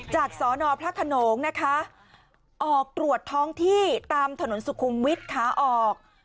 สอนอพระขนงนะคะออกตรวจท้องที่ตามถนนสุขุมวิทย์ขาออก